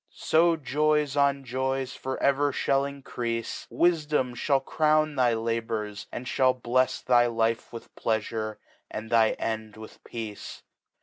So Joys 'on Joys for ever fhall increafe, Wifdom fhall Crowni thy Labors, and fhallblefs Thy life with Pleafufe, and thy End with Peace.